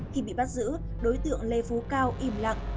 khi bị bắt giữ đối tượng lê phú cao im lặng